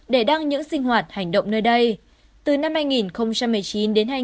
để đăng những sinh hoạt hành động nơi đây